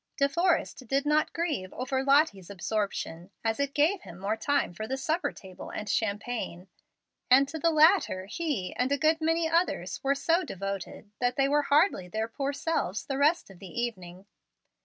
De Forrest did not grieve over Lottie's absorption, as it gave him more time for the supper table and champagne; and to the latter he and a good many others were so devoted that they were hardly their poor selves the rest of the evening.